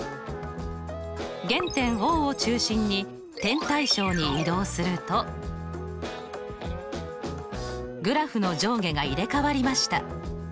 原点Ｏを中心に点対称に移動するとグラフの上下が入れ代わりました。